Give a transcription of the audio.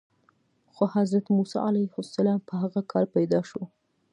خو حضرت موسی علیه السلام په هغه کال پیدا شو.